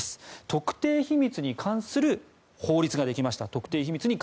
特定秘密に関する法律ができました。